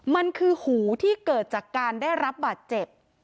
มันคือหูที่เกิดจากการได้รับบาดเจ็บ